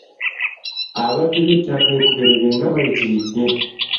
Ababbi b'ettaka e Bugerere nga bayitiridde.